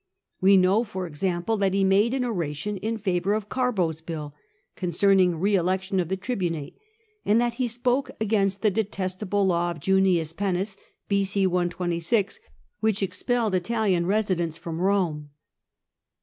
We know, for example, that he made an oration in favour of Oarbo's bill concerning re election to the tribunate, and that he spoke against the detestable law of J unius Pennus [b.o. 126], which expelled Italian residents from Eome.